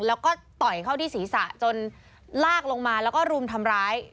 แล้วก็ต่อยเข้าที่ศีรษะจนลากลงมาแล้วก็รุมทำร้าย